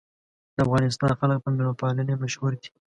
د افغانستان خلک په میلمه پالنې مشهور دي.